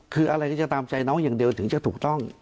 คืออะไรที่จะตามใจน้องอย่างเดียวถึงจะถูกต้อง